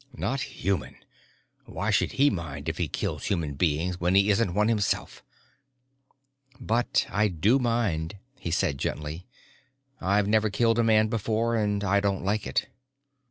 not human. Why should he mind if he kills human beings when he isn't one himself? "But I do mind," he said gently. "I've never killed a man before and I don't like it."